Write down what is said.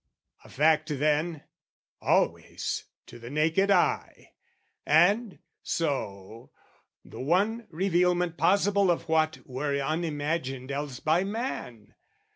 "A fact then, always, to the naked eye, "And, so, the one revealment possible "Of what were unimagined else by man.